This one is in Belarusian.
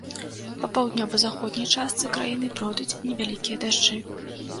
Па паўднёва-заходняй частцы краіны пройдуць невялікія дажджы.